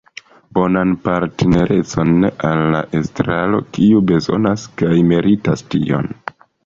Bonan partnerecon al la Estraro, kiu bezonas kaj meritas tion.